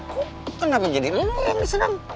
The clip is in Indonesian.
kok kenapa jadi lo yang diserang